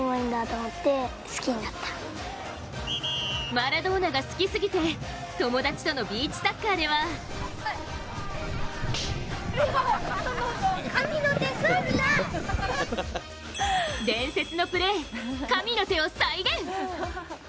マラドーナが好きすぎて友達とのビーチサッカーでは伝説のプレー、神の手を再現！